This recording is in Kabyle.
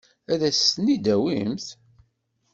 Ad as-ten-id-tawimt?